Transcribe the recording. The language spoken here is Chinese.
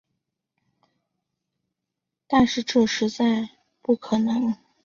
但是这实在不可能